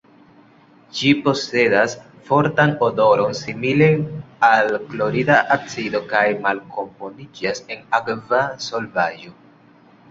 Ĝi posedas fortan odoron simile al klorida acido kaj malkomponiĝas en akva solvaĵo.